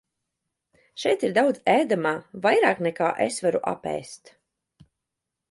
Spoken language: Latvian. Šeit ir daudz ēdamā, vairāk nekā es varu apēst.